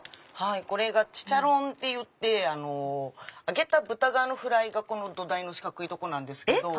これがチチャロンっていって揚げた豚皮のフライが土台の四角いとこなんですけど。